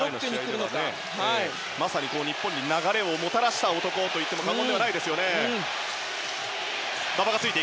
まさに日本に流れをもたらした男と言っても過言ではないですよね。